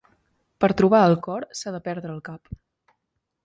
Per trobar el cor s'ha de perdre el cap.